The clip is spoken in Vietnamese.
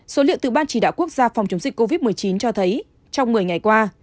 số liệu từ ban chỉ đạo quốc gia phòng chống dịch covid một mươi chín cho thấy trong một mươi ngày qua